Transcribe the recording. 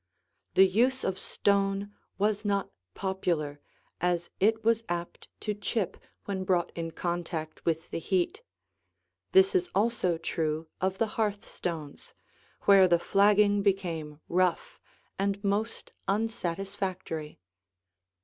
The use of stone was not popular, as it was apt to chip when brought in contact with the heat; this is also true of the hearthstones, where the flagging became rough and most unsatisfactory.